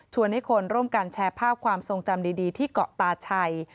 ให้คนร่วมกันแชร์ภาพความทรงจำดีที่เกาะตาชัย